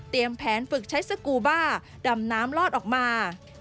แผนฝึกใช้สกูบ้าดำน้ำลอดออกมา